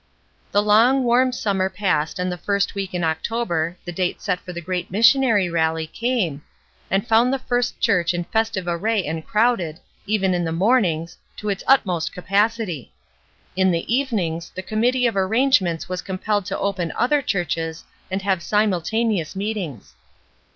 The long, warm summer passed and the first week in October, the date set for the great Missionary Rally, came, and found the First Church in festive array and crowded, even in the mornings, to its utmost capacity. In the evenings the committee of arrangements was compelled to open other churches and have simultaneous meetings.